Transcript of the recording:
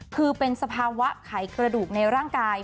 คือเป็นสภาวะไขกระดูกในร่างกาย